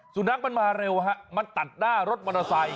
สุนัขมันมาเร็วฮะมันตัดหน้ารถมอเตอร์ไซค